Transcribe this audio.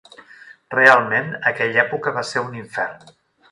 Realment aquella època va ser un infern.